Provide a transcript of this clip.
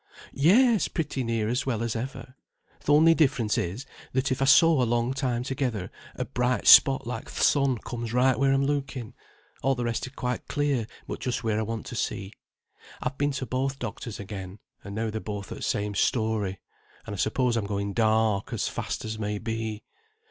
"Yes, pretty near as well as ever. Th' only difference is, that if I sew a long time together, a bright spot like th' sun comes right where I'm looking; all the rest is quite clear but just where I want to see. I've been to both doctors again, and now they're both o' the same story; and I suppose I'm going dark as fast as may be.